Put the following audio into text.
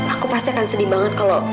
aku pasti akan sedih banget kalau